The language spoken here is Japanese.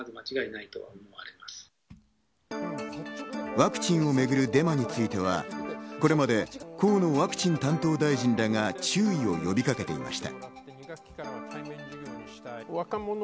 ワクチンをめぐるデマについては、これまで河野ワクチン担当大臣らが注意を呼びかけていました。